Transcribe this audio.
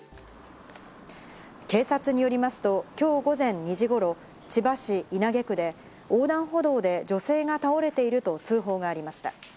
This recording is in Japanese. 警察によりますと、今日午前２時頃、千葉市稲毛区で横断歩道で女性が倒れていると通報がありました。